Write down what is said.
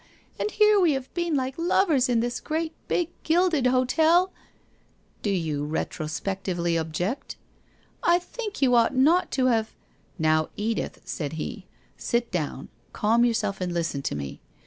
And here we have been like lovers in this great big gilded hotel '' Do you retrospectively object ?' 1 T think vou ought not to have '' Xow, Edith/ said he, ' sit down, calm yourself and listen to me.